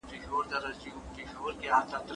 په کورنۍ کي د ماشوم پرمختګ نه درول کېږي.